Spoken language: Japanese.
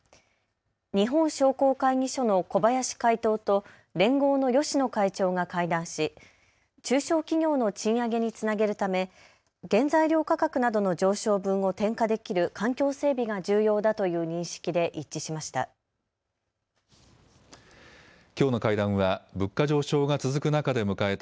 日本商工会議所の小林会頭と連合の芳野会長が会談し中小企業の賃上げにつなげるため原材料価格などの上昇分を転嫁できる環境整備が重要だという認識で一致しました。